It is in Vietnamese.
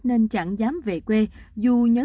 nên chẳng dám về quê dù nhớ